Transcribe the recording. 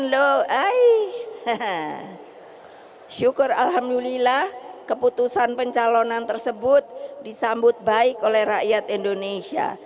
hai hai syukur alhamdulillah keputusan pencalonan tersebut disambut baik oleh rakyat indonesia